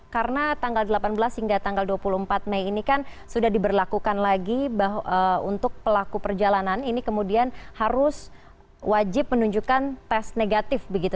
karena tanggal delapan belas hingga tanggal dua puluh empat mei ini kan sudah diberlakukan lagi bahwa untuk pelaku perjalanan ini kemudian harus wajib menunjukkan tes negatif begitu